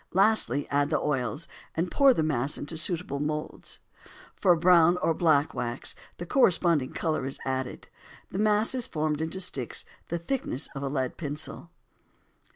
Lastly add the oils, and pour the mass into suitable moulds. For brown or black wax the corresponding color is added. The mass is formed into sticks the thickness of a lead pencil.